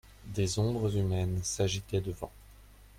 Des ombres humaines s'agitaient devant.